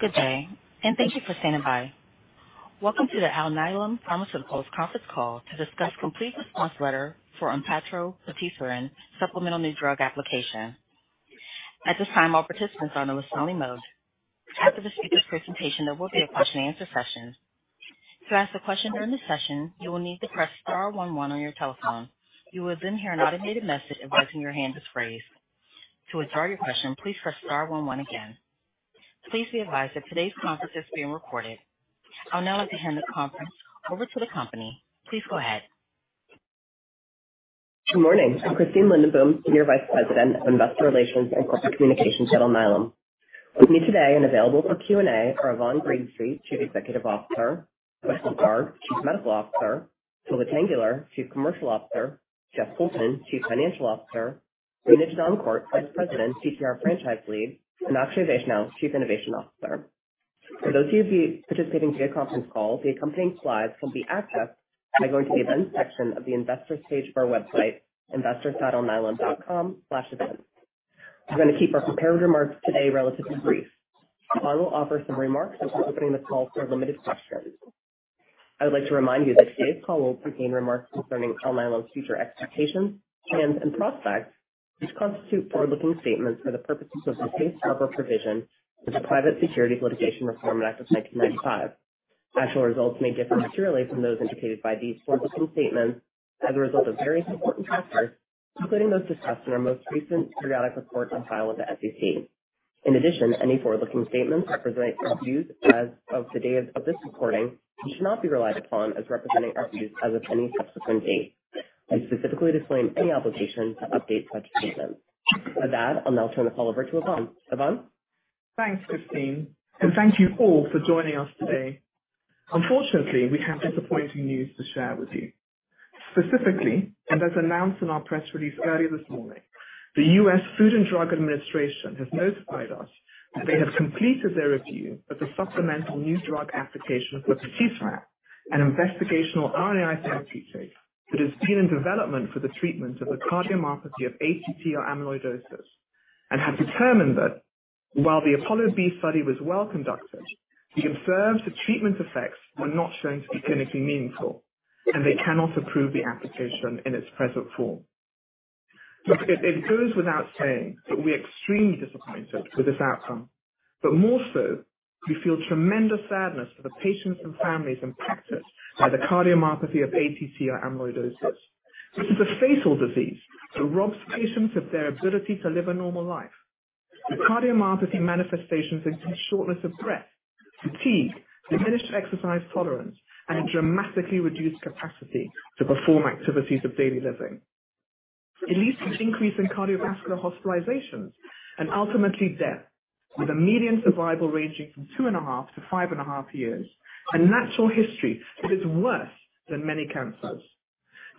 Good day, and thank you for standing by. Welcome to the Alnylam Pharmaceuticals Conference Call to discuss the Complete Response Letter for Onpattro patisiran's Supplemental New Drug Application. At this time, all participants are on a listen-only mode. After the speaker's presentation, there will be a Q&A session. To ask a question during the session, you will need to press star one one on your telephone. You will then hear an automated message advising your hand is raised. To withdraw your question, please press star one one again. Please be advised that today's conference is being recorded. I would now like to hand the conference over to the company. Please go ahead. Good morning. I'm Christine Lindenboom, Senior Vice President of Investor Relations and Corporate Communications at Alnylam. With me today and available for Q&A are Yvonne Greenstreet, Chief Executive Officer, Pushkal Garg, Chief Medical Officer, Tolga Tanguler, Chief Commercial Officer, Jeff Poulton, Chief Financial Officer, Rena Denoncourt, Vice President, TTR Franchise Lead, and Akshay Vaishnaw, Chief Innovation Officer. For those of you participating via conference call, the accompanying slides can be accessed by going to the events section of the investors' page of our website, investors.alnylam.com/events. We're going to keep our prepared remarks today relatively brief. Yvonne will offer some remarks and will be opening the call for limited questions. I would like to remind you that today's call will contain remarks concerning Alnylam's future expectations, plans, and prospects, which constitute forward-looking statements for the purposes of the Safe Harbor Provision under the Private Securities Litigation Reform Act of 1995. Actual results may differ materially from those indicated by these forward-looking statements as a result of various important factors, including those discussed in our most recent periodic report on file with the SEC. In addition, any forward-looking statements representing our views as of the date of this recording should not be relied upon as representing our views as of any subsequent date. We specifically disclaim any obligation to update such statements. With that, I'll now turn the call over to Yvonne. Thanks, Christine, and thank you all for joining us today. Unfortunately, we have disappointing news to share with you. Specifically, and as announced in our press release earlier this morning, the U.S. Food and Drug Administration has notified us that they have completed their review of the supplemental new drug application for ONPATTRO, an investigational RNAi therapeutic that is being developed for the treatment of the cardiomyopathy of ATTR amyloidosis, and have determined that while the Apollo B study was well conducted, the observed treatment effects were not shown to be clinically meaningful, and they cannot approve the application in its present form. It goes without saying that we are extremely disappointed with this outcome, but more so, we feel tremendous sadness for the patients and families impacted by the cardiomyopathy of ATTR amyloidosis. This is a fatal disease that robs patients of their ability to live a normal life. The cardiomyopathy manifestations include shortness of breath, fatigue, diminished exercise tolerance, and a dramatically reduced capacity to perform activities of daily living. It leads to an increase in cardiovascular hospitalizations and ultimately death, with a median survival ranging from two and a half to five and a half years, a natural history that is worse than many cancers.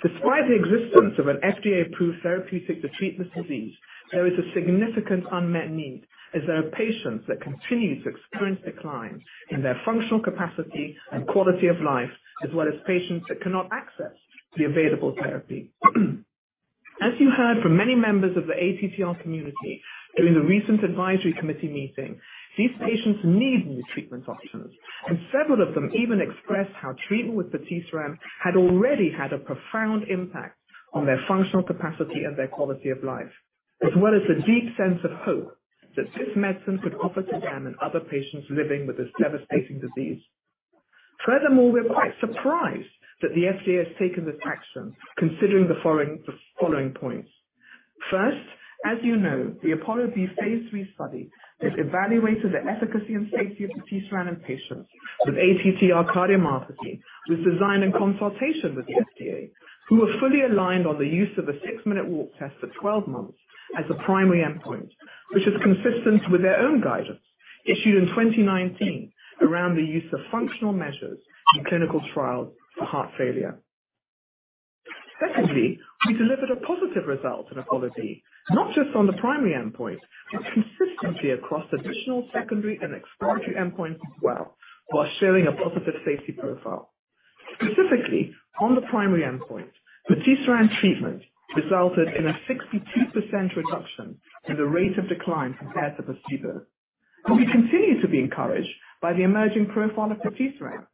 Despite the existence of an FDA-approved therapeutic to treat this disease, there is a significant unmet need as there are patients that continue to experience declines in their functional capacity and quality of life, as well as patients that cannot access the available therapy. As you heard from many members of the ATTR community during the recent advisory committee meeting, these patients need new treatment options, and several of them even expressed how treatment with Onpattro had already had a profound impact on their functional capacity and their quality of life, as well as the deep sense of hope that this medicine could offer to them and other patients living with this devastating disease. Furthermore, we're quite surprised that the FDA has taken this action, considering the following points. First, as you know, the Apollo B P3 study has evaluated the efficacy and safety of patisiran in patients with ATTR cardiomyopathy designed in consultation with the FDA, who were fully aligned on the use of a six-minute walk test for 12 months as a primary endpoint, which is consistent with their own guidance issued in 2019 around the use of functional measures in clinical trials for heart failure. Secondly, we delivered a positive result in Apollo B, not just on the primary endpoint, but consistently across additional secondary and exploratory endpoints as well, while showing a positive safety profile. Specifically, on the primary endpoint, patisiran treatment resulted in a 62% reduction in the rate of decline compared to placebo, and we continue to be encouraged by the emerging profile of patisiran.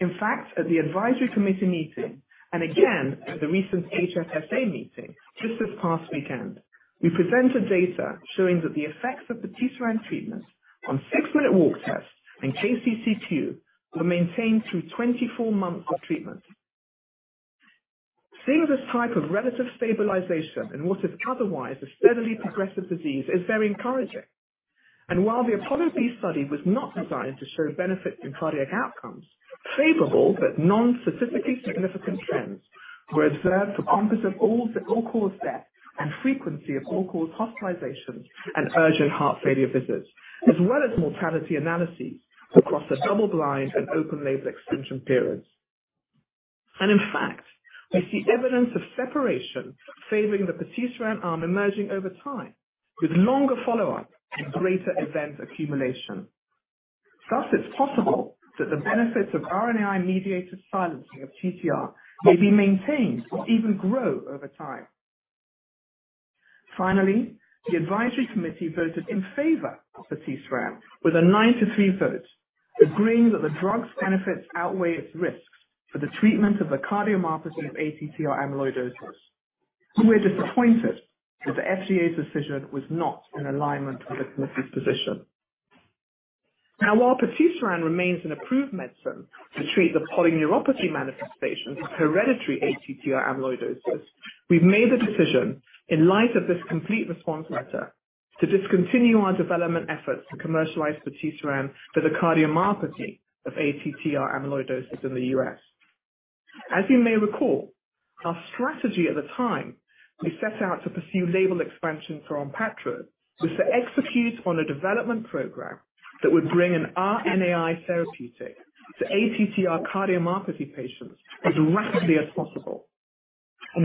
In fact, at the advisory committee meeting, and again at the recent HFSA meeting just this past weekend, we presented data showing that the effects of patisiran treatment on six-minute walk tests and KCCQ were maintained through 24 months of treatment. Seeing this type of relative stabilization in what is otherwise a steadily progressive disease is very encouraging. And while the Apollo B study was not designed to show benefits in cardiac outcomes, favorable but not statistically significant trends were observed for composite all-cause death and frequency of all-cause hospitalizations and urgent heart failure visits, as well as mortality analyses across the double-blind and open-label extension periods. And in fact, we see evidence of separation favoring the patisiran emerging over time, with longer follow-up and greater event accumulation. Thus, it's possible that the benefits of RNAi-mediated silencing of TTR may be maintained or even grow over time. Finally, the advisory committee voted in favor of Onpattro with a nine to three vote, agreeing that the drug's benefits outweigh its risks for the treatment of the cardiomyopathy of ATTR amyloidosis. We're disappointed that the FDA's decision was not in alignment with the committee's position. Now, while Onpattro remains an approved medicine to treat the polyneuropathy manifestations of hereditary ATTR amyloidosis, we've made the decision, in light of this complete response letter, to discontinue our development efforts to commercialize Onpattro for the cardiomyopathy of ATTR amyloidosis in the US. As you may recall, our strategy at the time we set out to pursue label expansion for Onpattro was to execute on a development program that would bring an RNAi therapeutic to ATTR cardiomyopathy patients as rapidly as possible.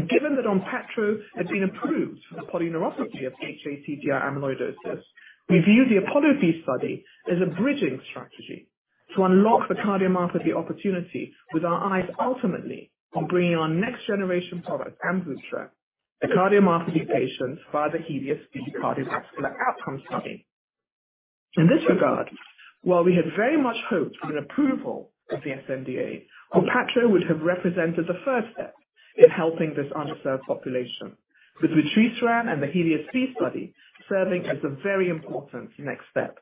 Given that ONPATTRO had been approved for the polyneuropathy of ATTR amyloidosis, we view the Apollo B study as a bridging strategy to unlock the cardiomyopathy opportunity, with our eyes ultimately on bringing our next-generation product, Amvuttra, to cardiomyopathy patients via the HELIOS-B cardiovascular outcome study. In this regard, while we had very much hoped for an approval of the sNDA, Onpattro would have represented the first step in helping this underserved population, with Onpattro and the HELIOS-B study serving as a very important next step.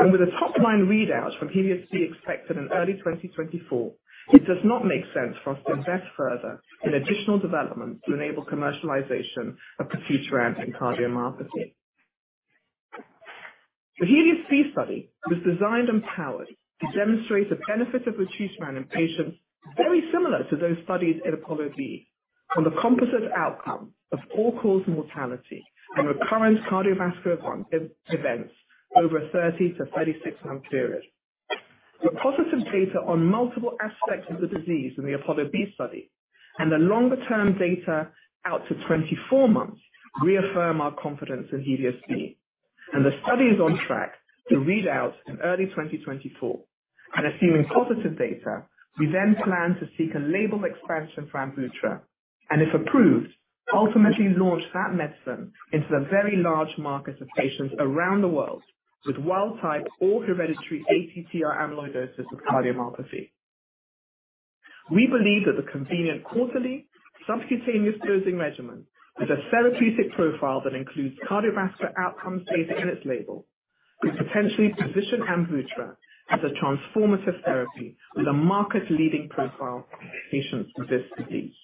With a top-line readout from HELIOS-B expected in early 2024, it does not make sense for us to invest further in additional development to enable commercialization of Onpattro in cardiomyopathy. The HELIOS-B study was designed and powered to demonstrate the benefits of vutrisiran in patients very similar to those studied in Apollo B on the composite outcome of all-cause mortality and recurrent cardiovascular events over a 30 to 36-month period. The positive data on multiple aspects of the disease in the Apollo B study and the longer-term data out to 24 months reaffirm our confidence in HELIOS-B. And the study is on track to read out in early 2024. And assuming positive data, we then plan to seek a label expansion for Amvuttra and, if approved, ultimately launch that medicine into the very large market of patients around the world with wild-type or hereditary ATTR amyloidosis with cardiomyopathy. We believe that the convenient quarterly subcutaneous dosing regimen with a therapeutic profile that includes cardiovascular outcomes stated in its label could potentially position Amvuttra as a transformative therapy with a market-leading profile for patients with this disease.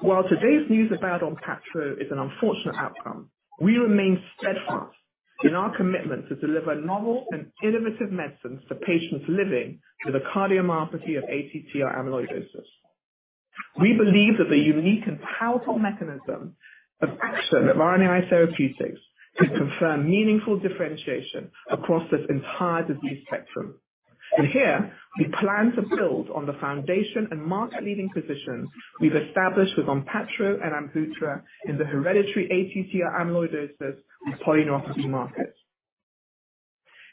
While today's news about Onpattro is an unfortunate outcome, we remain steadfast in our commitment to deliver novel and innovative medicines for patients living with a cardiomyopathy of ATTR amyloidosis. We believe that the unique and powerful mechanism of action of RNAi therapeutics could confirm meaningful differentiation across this entire disease spectrum. And here, we plan to build on the foundation and market-leading positions we've established with Onpattro and Amvuttra in the hereditary ATTR amyloidosis polyneuropathy market.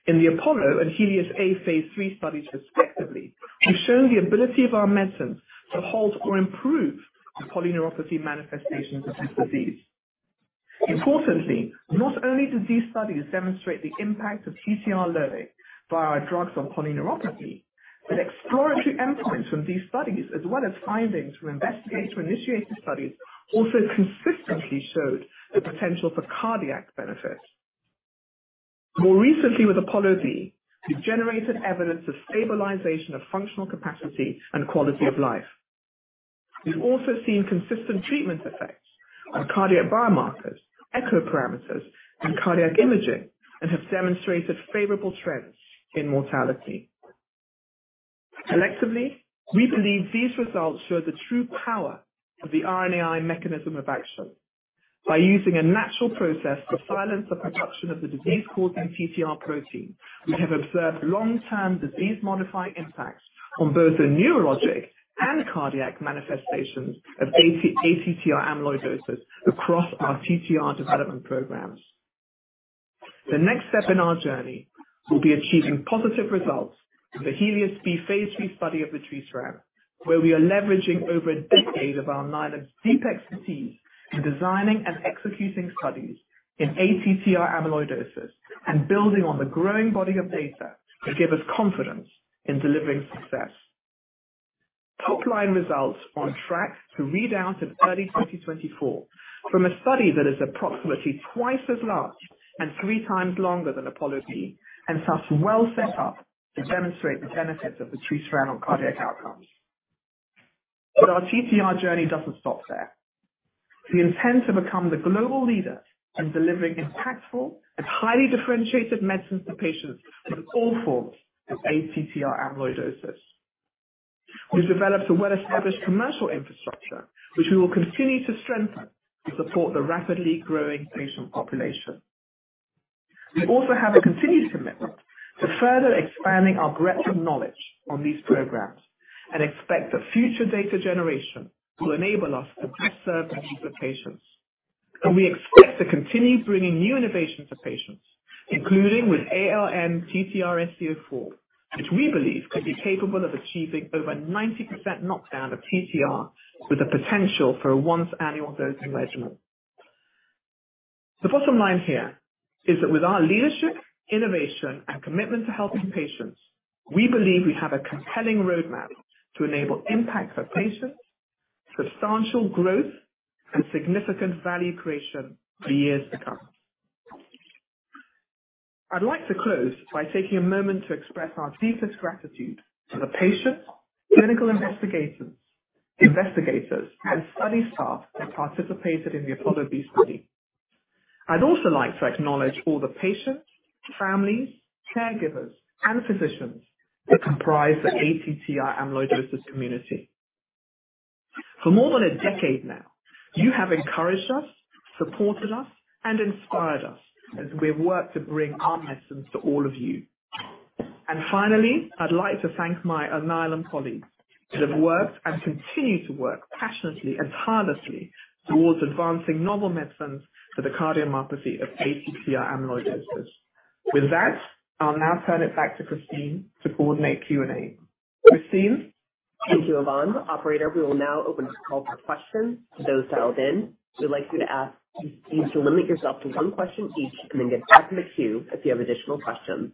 In the Apollo B and Helios-A P3 studies, respectively, we've shown the ability of our medicines to halt or improve the polyneuropathy manifestations of this disease. Importantly, not only do these studies demonstrate the impact of TTR silencing via our drugs on polyneuropathy, but exploratory endpoints from these studies, as well as findings from investigator-initiated studies, also consistently showed the potential for cardiac benefit. More recently, with Apollo B, we've generated evidence of stabilization of functional capacity and quality of life. We've also seen consistent treatment effects on cardiac biomarkers, echo parameters, and cardiac imaging, and have demonstrated favorable trends in mortality. Collectively, we believe these results show the true power of the RNAi mechanism of action. By using a natural process to silence the production of the disease-causing TTR protein, we have observed long-term disease-modifying impacts on both the neurologic and cardiac manifestations of ATTR amyloidosis across our TTR development programs. The next step in our journey will be achieving positive results with the HELIOS-B P3 study of vutrisiran, where we are leveraging over a decade of Alnylam's deep expertise in designing and executing studies in ATTR amyloidosis and building on the growing body of data to give us confidence in delivering success. Top-line results are on track to read out in early 2024 from a study that is approximately twice as large and three times longer than Apollo B, and thus well set up to demonstrate the benefits of vutrisiran on cardiac outcomes. But our TTR journey doesn't stop there. We intend to become the global leader in delivering impactful and highly differentiated medicines to patients with all forms of ATTR amyloidosis. We've developed a well-established commercial infrastructure, which we will continue to strengthen to support the rapidly growing patient population. We also have a continued commitment to further expanding our breadth of knowledge on these programs and expect that future data generation will enable us to best serve the needs of patients, and we expect to continue bringing new innovations to patients, including with ALN-TTR-SC04, which we believe could be capable of achieving over 90% knockdown of TTR with the potential for a once-annual dosing regimen. The bottom line here is that with our leadership, innovation, and commitment to helping patients, we believe we have a compelling roadmap to enable impact for patients, substantial growth, and significant value creation for years to come. I'd like to close by taking a moment to express our deepest gratitude to the patients, clinical investigators, and study staff that participated in the Apollo B study. I'd also like to acknowledge all the patients, families, caregivers, and physicians that comprise the ATTR amyloidosis community. For more than a decade now, you have encouraged us, supported us, and inspired us as we've worked to bring our medicines to all of you. And finally, I'd like to thank my Alnylam colleagues that have worked and continue to work passionately and tirelessly towards advancing novel medicines for the cardiomyopathy of ATTR amyloidosis. With that, I'll now turn it back to Christine to coordinate Q&A. Christine. Thank you, Yvonne. Operator, we will now open up the call for questions to those dialed in. We'd like you to ask you to limit yourself to one question each and then get back in the queue if you have additional questions.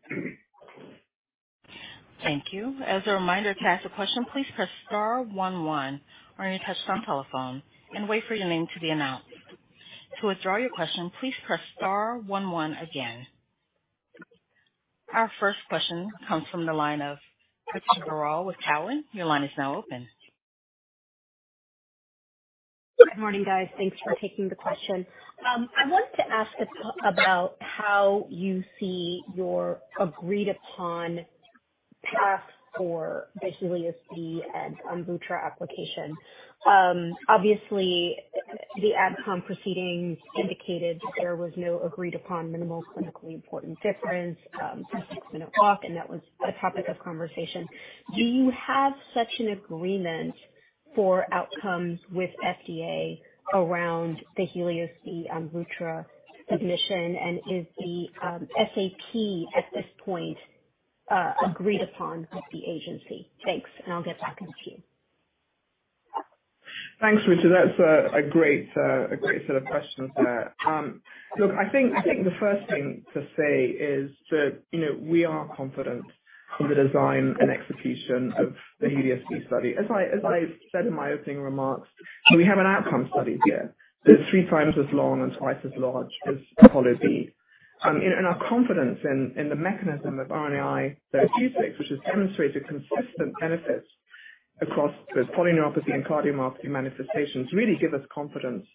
Thank you. As a reminder to ask a question, please press star one one or any touchtone telephone and wait for your name to be announced. To withdraw your question, please press star one one again. Our first question comes from the line of Ritu Baral with Cowen. Your line is now open. Good morning, guys. Thanks for taking the question. I wanted to ask about how you see your agreed-upon path for the Helios-B and Amvuttra application. Obviously, the adcom proceedings indicated that there was no agreed-upon minimal clinically important difference, some six-minute walk, and that was a topic of conversation. Do you have such an agreement for outcomes with FDA around the Helios-B Amvuttra submission, and is the SAP at this point agreed upon with the agency? Thanks. And I'll get back into you. Thanks, Ritu. That's a great set of questions there. Look, I think the first thing to say is that we are confident in the design and execution of the Helios-B study. As I said in my opening remarks, we have an outcome study here that is three times as long and twice as large as Apollo B. And our confidence in the mechanism of RNAi therapeutics, which has demonstrated consistent benefits across both polyneuropathy and cardiomyopathy manifestations, really gives us confidence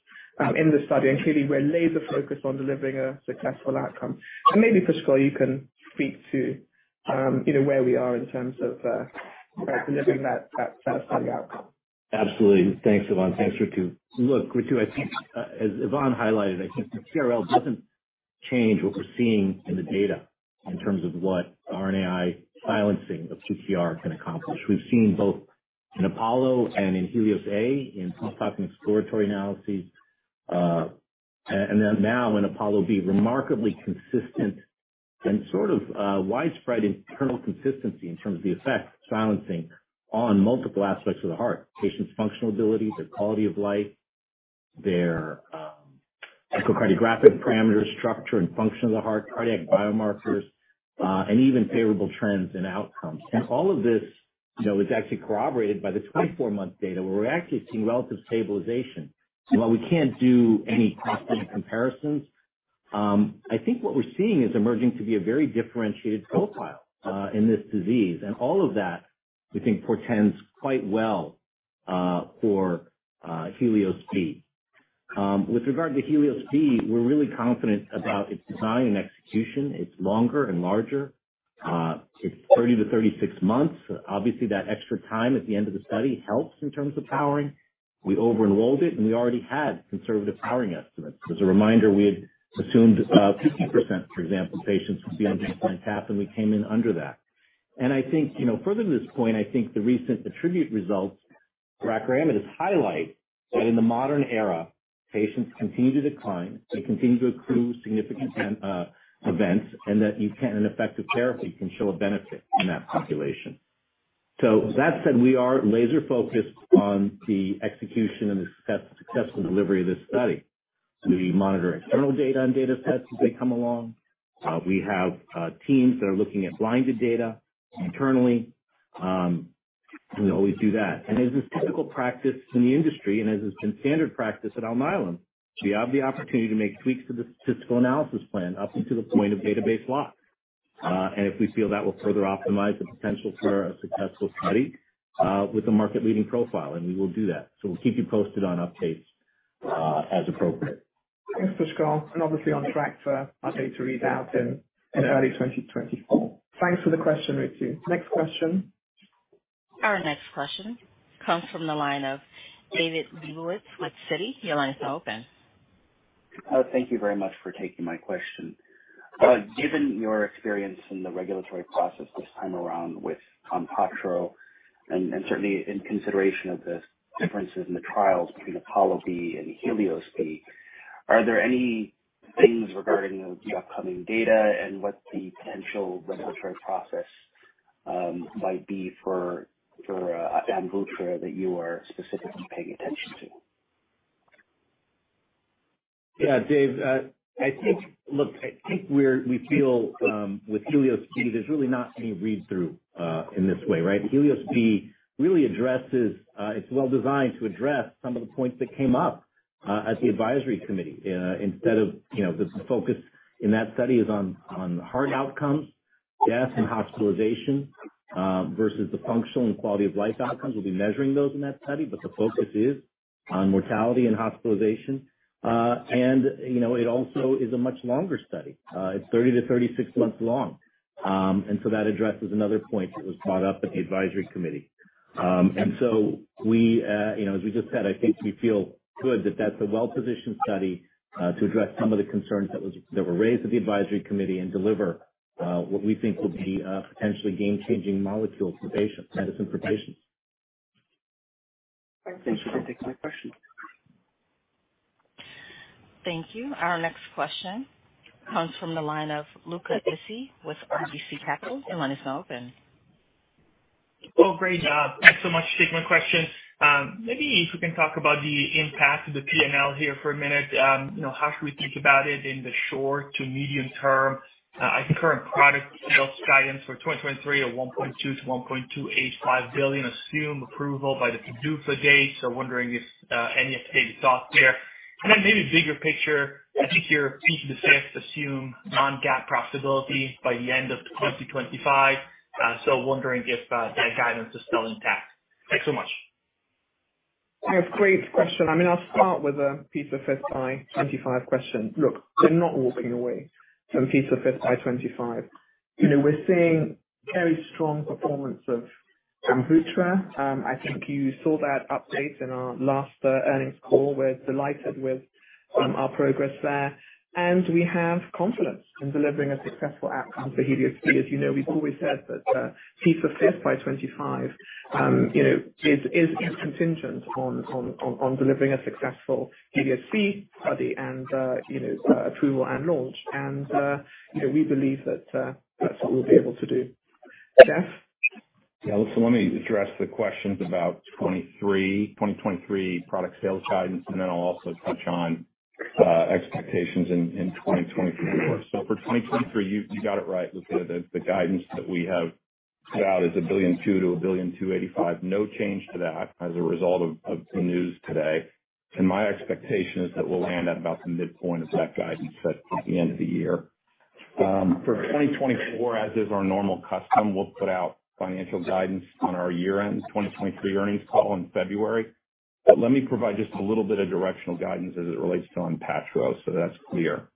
in the study. And clearly, we're laser-focused on delivering a successful outcome. And maybe, Pushkal, you can speak to where we are in terms of delivering that set of study outcomes. Absolutely. Thanks, Yvonne. Thanks, Ritu. Look, Ritu, as Yvonne highlighted, I think the CRL doesn't change what we're seeing in the data in terms of what RNAi silencing of TTR can accomplish. We've seen both in Apollo and in HELIOS-A in post-op and exploratory analyses. And then now in Apollo B, remarkably consistent and sort of widespread internal consistency in terms of the effect of silencing on multiple aspects of the heart: patients' functional ability, their quality of life, their echocardiographic parameters, structure and function of the heart, cardiac biomarkers, and even favorable trends in outcomes. And all of this is actually corroborated by the 24-month data where we're actually seeing relative stabilization. While we can't do any cross-trial comparisons, I think what we're seeing is emerging to be a very differentiated profile in this disease. And all of that, we think, portends quite well for HELIOS-B. With regard to HELIOS-B, we're really confident about its design and execution. It's longer and larger. It's 30-36 months. Obviously, that extra time at the end of the study helps in terms of powering. We over-enrolled it, and we already had conservative powering estimates. As a reminder, we had assumed 50%, for example, patients would be on baseline CAP, and we came in under that, and I think further to this point, I think the recent ATTRibute results for tafamidis and they highlight that in the modern era, patients continue to decline, continue to accrue significant events, and that you can't in effective therapy show a benefit in that population, so that said, we are laser-focused on the execution and the successful delivery of this study. We monitor external data and data sets as they come along. We have teams that are looking at blinded data internally. We always do that, and as is typical practice in the industry and as has been standard practice at Alnylam, we have the opportunity to make tweaks to the statistical analysis plan up to the point of database lock. And if we feel that will further optimize the potential for a successful study with a market-leading profile, then we will do that. So we'll keep you posted on updates as appropriate. Thanks, Pushkal. And obviously, on track for our data readout in early 2024. Thanks for the question, Ritu. Next question. Our next question comes from the line of David Lebowitz with Citi. Your line is now open. Thank you very much for taking my question. Given your experience in the regulatory process this time around with Onpatro and certainly in consideration of the differences in the trials between Apollo B and HELIOS-B, are there any things regarding the upcoming data and what the potential regulatory process might be for Amvuttra that you are specifically paying attention to? Yeah, David, I think, look, I think we feel with HELIOS-B, there's really not any read-through in this way, right? HELIOS-B really addresses. It's well designed to address some of the points that came up at the advisory committee. Instead of the focus in that study is on heart outcomes, death, and hospitalization versus the functional and quality of life outcomes. We'll be measuring those in that study, but the focus is on mortality and hospitalization, and it also is a much longer study. It's 30 to 36 months long, and so that addresses another point that was brought up at the advisory committee. And so we, as we just said, I think we feel good that that's a well-positioned study to address some of the concerns that were raised at the advisory committee and deliver what we think will be potentially game-changing molecules for patients, medicine for patients. Thanks for taking my question. Thank you. Our next question comes from the line of Luca Issi with RBC Capital. Your line is now open. Well, great job. Thanks so much for taking my question. Maybe if we can talk about the impact of the P&L here for a minute. How should we think about it in the short to medium term? I think current product sales guidance for 2023 of $1.2 billion-$1.285 billion, assume approval by the PDUFA date. So wondering if any updated thoughts there. And then maybe bigger picture, I think you're keen to assume non-GAAP profitability by the end of 2025. So wondering if that guidance is still intact. Thanks so much. I have great questions. I mean, I'll start with a FY 2025 question. Look, we're not walking away from FY 2025. We're seeing very strong performance of Amvuttra. I think you saw that update in our last earnings call. We're delighted with our progress there. And we have confidence in delivering a successful outcome for Helios-B. As you know, we've always said that FY 2025 is contingent on delivering a successful Helios-B study and approval and launch. And we believe that that's what we'll be able to do. Jeff? Yeah, so let me address the questions about 2023 product sales guidance, and then I'll also touch on expectations in 2024. For 2023, you got it right, Luca. The guidance that we have put out is $1.2 billion-$1.285 billion. No change to that as a result of the news today. My expectation is that we'll land at about the midpoint of that guidance at the end of the year. For 2024, as is our normal custom, we'll put out financial guidance on our year-end 2023 earnings call in February. Let me provide just a little bit of directional guidance as it relates to Onpatro so that that's clear.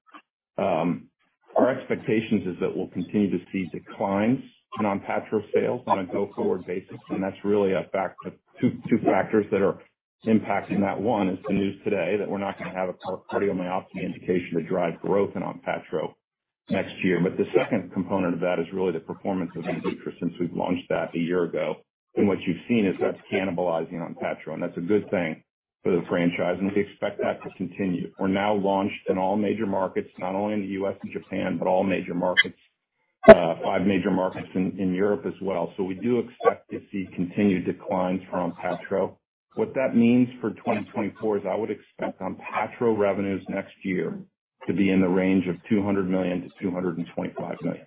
Our expectation is that we'll continue to see declines in Onpatro sales on a go-forward basis. That's really two factors that are impacting that. One is the news today that we're not going to have a cardiomyopathy indication to drive growth in Onpatro next year. But the second component of that is really the performance of Amvuttra since we've launched that a year ago. And what you've seen is that's cannibalizing Onpattro. And that's a good thing for the franchise. And we expect that to continue. We're now launched in all major markets, not only in the U.S. and Japan, but all major markets, five major markets in Europe as well. So we do expect to see continued declines from Onpattro. What that means for 2024 is I would expect Onpattro revenues next year to be in the range of $200 million-$225 million.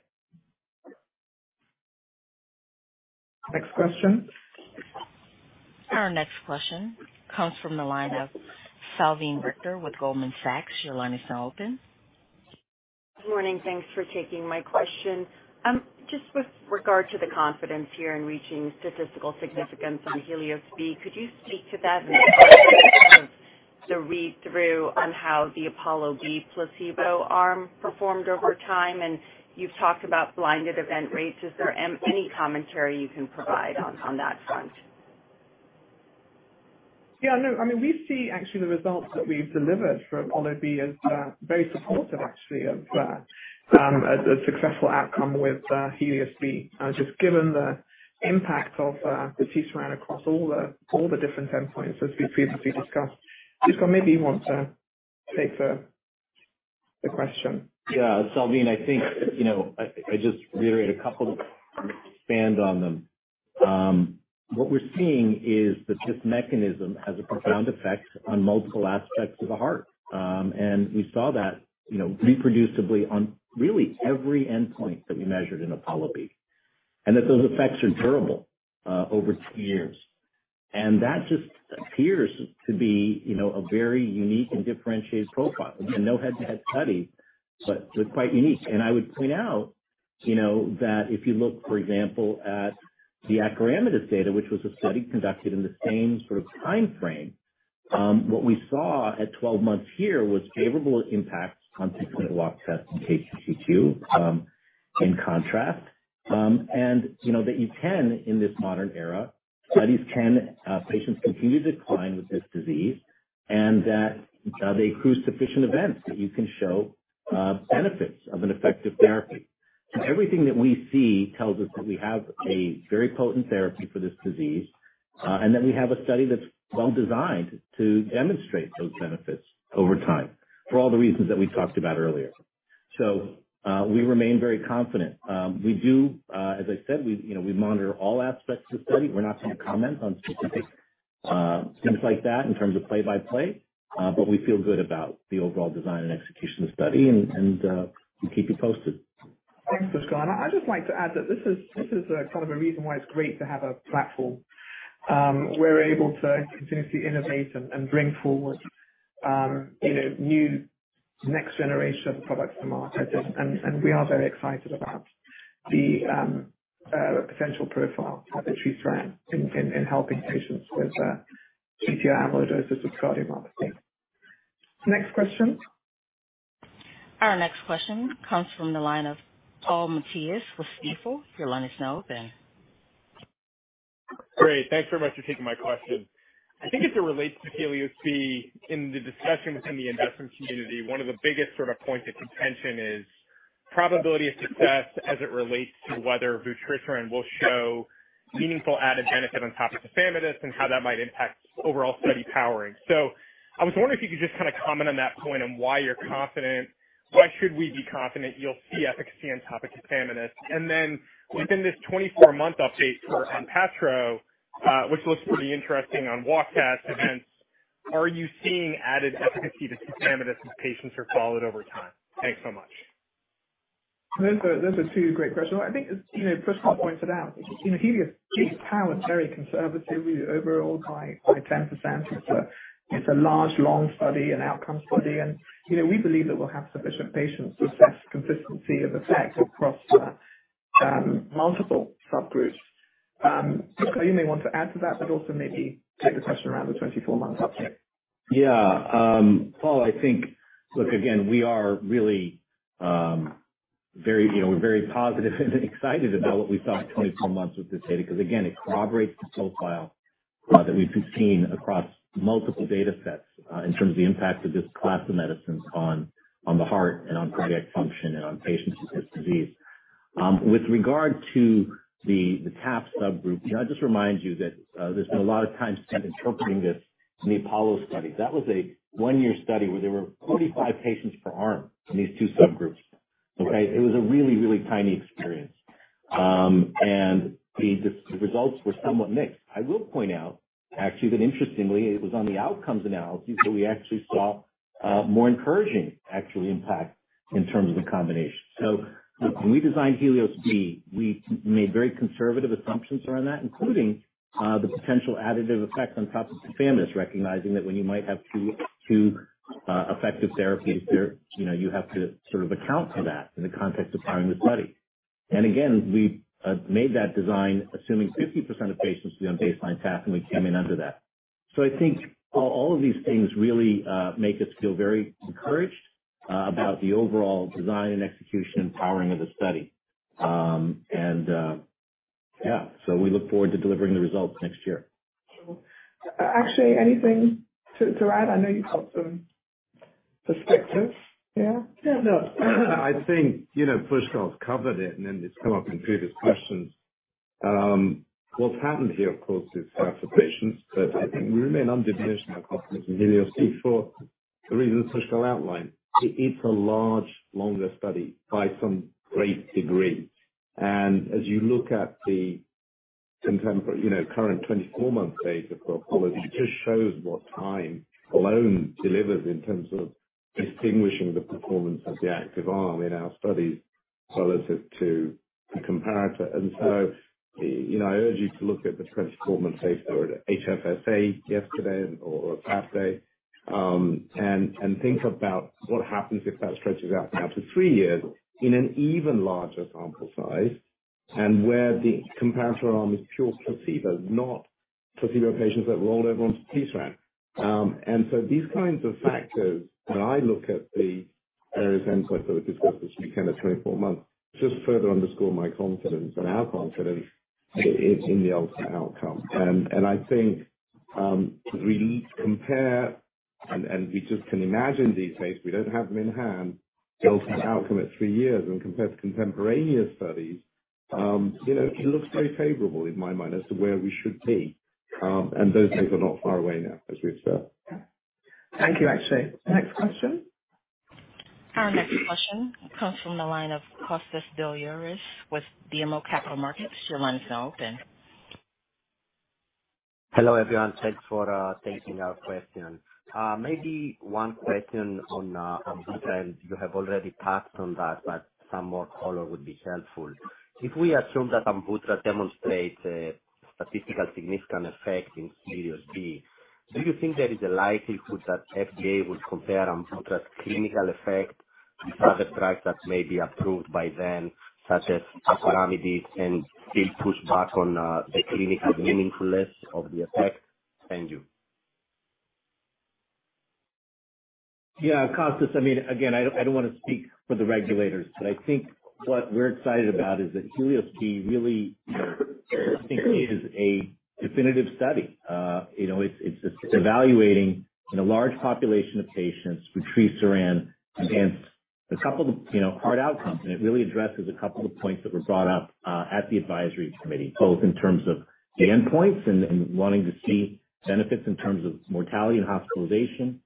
Next question. Our next question comes from the line of Salveen Richter with Goldman Sachs. Your line is now open. Good morning. Thanks for taking my question. Just with regard to the confidence here in reaching statistical significance on HELIOS-B, could you speak to that and the read-through on how the Apollo B placebo arm performed over time? And you've talked about blinded event rates. Is there any commentary you can provide on that front? Yeah, no. I mean, we see actually the results that we've delivered for Apollo B as very supportive, actually, of a successful outcome with HELIOS-B. Just given the impact of the TTR across all the different endpoints, as we previously discussed. Pushkal, maybe you want to take the question. Yeah, Salveen, I think I just reiterate a couple of things and expand on them. What we're seeing is that this mechanism has a profound effect on multiple aspects of the heart. We saw that reproducibly on really every endpoint that we measured in Apollo B and that those effects are durable over two years. That just appears to be a very unique and differentiated profile. It's a non-head-to-head study, but quite unique. I would point out that if you look, for example, at the acoramidis data, which was a study conducted in the same sort of time frame, what we saw at 12 months here was favorable impacts on six-minute walk test and KCCQ in contrast. You can, in this modern era, studies show patients continue to decline with this disease and that they accrue sufficient events that you can show benefits of an effective therapy. So everything that we see tells us that we have a very potent therapy for this disease and that we have a study that's well designed to demonstrate those benefits over time for all the reasons that we talked about earlier, so we remain very confident. We do, as I said, we monitor all aspects of the study. We're not going to comment on specific things like that in terms of play-by-play. But we feel good about the overall design and execution of the study, and we'll keep you posted. Thanks, Pushkal, and I'd just like to add that this is kind of a reason why it's great to have a platform. We're able to continuously innovate and bring forward new next-generation products to market, and we are very excited about the potential profile of the vutrisiran in helping patients with ATTR amyloidosis with cardiomyopathy. Next question. Our next question comes from the line of Paul Matteis with Stifel. Your line is now open. Great. Thanks very much for taking my question. I think as it relates to HELIOS-B, in the discussion within the investment community, one of the biggest sort of points of contention is probability of success as it relates to whether vutrisiran will show meaningful added benefit on top of tafamidis and how that might impact overall study powering. So I was wondering if you could just kind of comment on that point on why you're confident, why should we be confident you'll see efficacy on top of tafamidis. And then within this 24-month update for ONPATTRO, which looks pretty interesting on walk test events, are you seeing added efficacy to tafamidis if patients are followed over time? Thanks so much. Those are two great questions. I think Pushkal pointed out, HELIOS-B's power is very conservatively overall by 10%. It's a large, long study, an outcome study, and we believe that we'll have sufficient patients to assess consistency of effect across multiple subgroups. Pushkal, you may want to add to that, but also maybe take the question around the 24-month update. Yeah. Paul, I think, look, again, we are really very positive and excited about what we saw in 24 months with this data because, again, it corroborates the profile that we've seen across multiple data sets in terms of the impact of this class of medicines on the heart and on cardiac function and on patients with this disease. With regard to the CAP subgroup, I just remind you that there's been a lot of time spent interpreting this in the Apollo study. That was a one-year study where there were 45 patients per arm in these two subgroups. Okay? It was a really, really tiny experience. And the results were somewhat mixed. I will point out, actually, that interestingly, it was on the outcomes analysis that we actually saw more encouraging actual impact in terms of the combination. So when we designed HELIOS-B, we made very conservative assumptions around that, including the potential additive effect on top of tafamidis, recognizing that when you might have two effective therapies, you have to sort of account for that in the context of powering the study. And again, we made that design assuming 50% of patients would be on baseline tafamidis and we came in under that. So I think all of these things really make us feel very encouraged about the overall design and execution and powering of the study. Yeah, so we look forward to delivering the results next year. Actually, anything to add? I know you've got some perspectives. Yeah? Yeah, no. I think Pushkal's covered it, and then it's come up in previous questions. What's happened here, of course, is for patients, but we remain committed to Helios-B for the reasons Pushkal outlined. It's a large, longer study to a great degree. And as you look at the current 24-month data for Apollo, it just shows what time alone delivers in terms of distinguishing the performance of the active arm in our studies relative to the comparator. And so I urge you to look at the 24-month data for HFSA yesterday or Saturday and think about what happens if that stretches out now to three years in an even larger sample size and where the comparator arm is pure placebo, not placebo patients that roll over onto TTR. And so these kinds of factors, when I look at the various endpoints that we've discussed this weekend at 24 months, just further underscore my confidence and our confidence in the ultimate outcome. And I think we can compare, and we just can imagine these data, we don't have them in hand, the ultimate outcome at three years and compared to contemporaneous studies, it looks very favorable in my mind as to where we should be. And those days are not far away now, as we observe. Thank you, actually. Next question. Our next question comes from the line of Kostas Biliouris with BMO Capital Markets. Your line is now open. Hello, everyone. Thanks for taking our question. Maybe one question on Amvuttra. You have already touched on that, but some more follow-up would be helpful. If we assume that Amvuttra demonstrates a statistically significant effect in HELIOS-B, do you think there is a likelihood that FDA would compare Amvuttra's clinical effect with other drugs that may be approved by then, such as tafamidis, and still push back on the clinical meaningfulness of the effect? Thank you. Yeah, Kostas, I mean, again, I don't want to speak for the regulators, but I think what we're excited about is that HELIOS-B really, I think, is a definitive study. It's evaluating a large population of patients with ATTR against a couple of hard outcomes. And it really addresses a couple of the points that were brought up at the advisory committee, both in terms of the endpoints and wanting to see benefits in terms of mortality and hospitalization,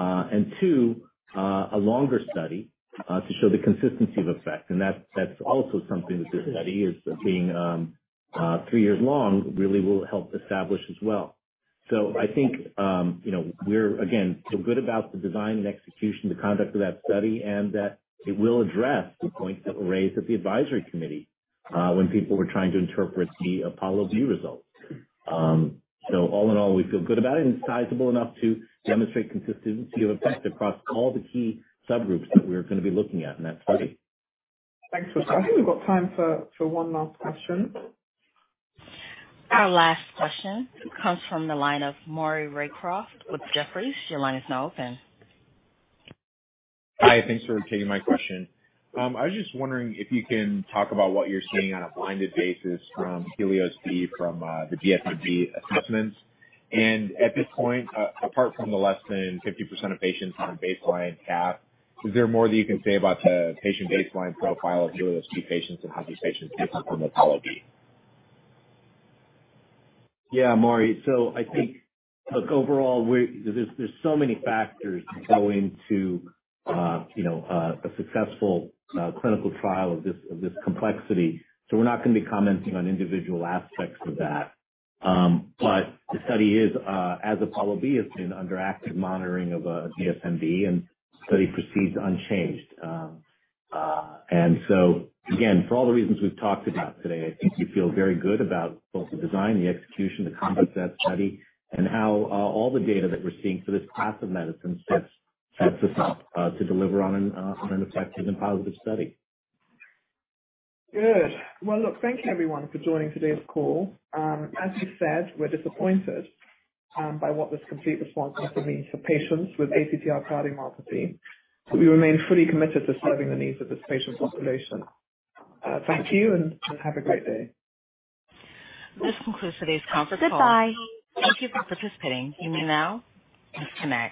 and two, a longer study to show the consistency of effect. And that's also something that this study is being three years long really will help establish as well. So I think we're, again, feel good about the design and execution, the conduct of that study, and that it will address the points that were raised at the advisory committee when people were trying to interpret the Apollo B results. So all in all, we feel good about it. And it's sizable enough to demonstrate consistency of effect across all the key subgroups that we're going to be looking at in that study. Thanks, Pushkal. I think we've got time for one last question. Our last question comes from the line of Maury Raycroft with Jefferies. Your line is now open. Hi. Thanks for taking my question. I was just wondering if you can talk about what you're seeing on a blinded basis from HELIOS-B from the DSMB assessments. And at this point, apart from the less than 50% of patients on a baseline CAP, is there more that you can say about the patient baseline profile of HELIOS-B patients and how these patients differ from Apollo B? Yeah, Maury. So I think, look, overall, there's so many factors that go into a successful clinical trial of this complexity. So we're not going to be commenting on individual aspects of that. But the study is, as Apollo B has been under active monitoring of DSMB, and the study proceeds unchanged. And so, again, for all the reasons we've talked about today, I think we feel very good about both the design, the execution, the conduct of that study, and how all the data that we're seeing for this class of medicine sets us up to deliver on an effective and positive study. Good. Well, look, thank you, everyone, for joining today's call. As you said, we're disappointed by what this complete response means for patients with ATTR cardiomyopathy. But we remain fully committed to serving the needs of this patient population. Thank you and have a great day. This concludes today's conference call. Goodbye. Thank you for participating. You may now disconnect.